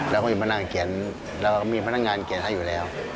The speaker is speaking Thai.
เราก็มีพนักงานเกียรติให้อยู่แล้ว